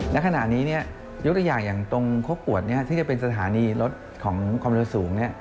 ณขณะนี้ยกตัวอย่างอย่างตรงข้อกวดที่จะเป็นสถานีรถของความเร็วสูง